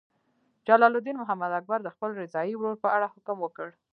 جلال الدین محمد اکبر د خپل رضاعي ورور په اړه حکم وکړ.